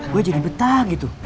gue jadi betah gitu